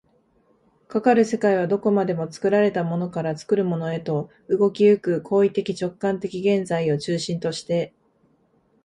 かかる世界はどこまでも作られたものから作るものへと、動き行く行為的直観的現在を中心として、